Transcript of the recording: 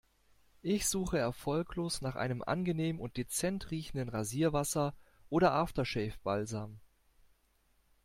Ich suche erfolglos nach einem angenehm und dezent riechenden Rasierwasser oder After-Shave-Balsam.